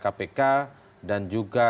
kpk dan juga